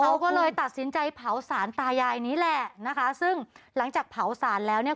เขาก็เลยตัดสินใจเผาสารตายายนี้แหละนะคะซึ่งหลังจากเผาสารแล้วเนี่ย